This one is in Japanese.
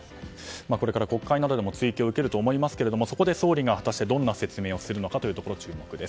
これから国会などでも追及を受けると思いますがそこで総理が果たしてどんな説明をするのかというところ注目です。